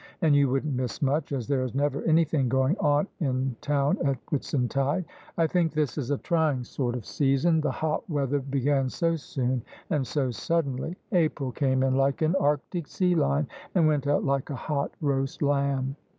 And you wouldn't miss much, as there is never anything going on in town at Whitsuntide. I think this is a trying sort of THE SUBJECTION OF ISABEL CARNABY season, the hot weather began so soon and so suddenly: April came in like an Arctic sea lion, and went out like a hot roast lamb.